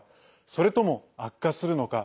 それとも、悪化するのか。